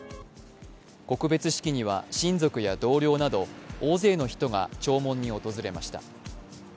告別式には親族や同僚など大勢の人が弔問に訪れました。